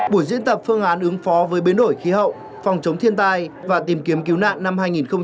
buổi diễn tập phương án ứng phó với biến đổi khí hậu phòng chống thiên tai và tìm kiếm cứu nạn năm hai nghìn hai mươi